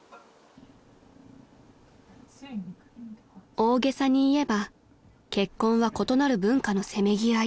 ［大げさに言えば結婚は異なる文化のせめぎ合い］